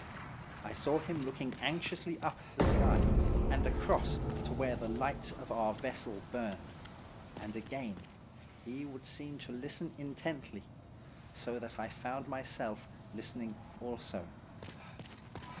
I saw him looking anxiously up at the sky and across to where the lights of our vessel burned, and again he would seem to listen intently, so that I found myself listening also.